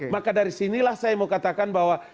maka dari sinilah saya mau katakan bahwa